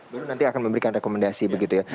baru nanti akan memberikan rekomendasi begitu ya